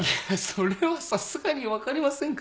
それはさすがに分かりませんか？